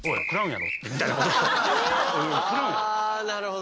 あなるほど。